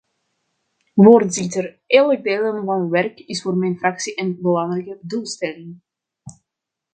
Voorzitter, eerlijk delen van werk is voor mijn fractie een belangrijke doelstelling.